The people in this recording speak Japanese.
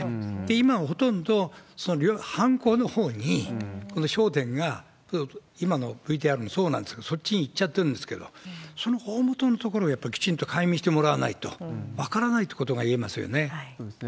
今ほとんどその犯行のほうにこの焦点が、今のＶＴＲもそうなんですけど、そっちにいっちゃってるんですけど、その大本のところをやっぱりきちんと解明してもらわないと、分かそうですね。